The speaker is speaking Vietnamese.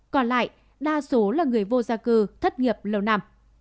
còn lại đa số là người vô gia cư thất nghiệp lâu năm